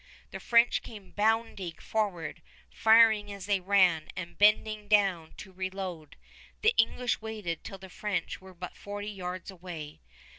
The French came bounding forward, firing as they ran, and bending down to reload. The English waited till the French were but forty yards away.